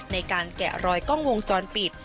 ในการแกะรอยกล้องวงจรปิด